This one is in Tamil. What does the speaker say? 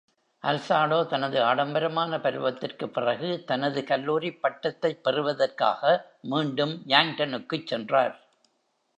அல்சாடோ தனது ஆடம்பரமான பருவத்திற்குப் பிறகு தனது கல்லூரிப் பட்டத்தைப் பெறுவதற்காக மீண்டும் யாங்க்டனுக்குச் சென்றார்.